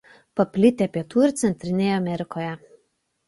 Paplitę Pietų ir Centrinėje Amerikoje.